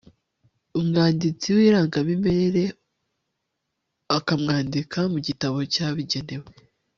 umwanditsi w'irangamimerere akamwandika mu gitabo cya bigenewe